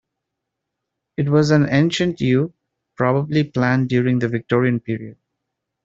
It was an ancient yew, probably planted during the Victorian period.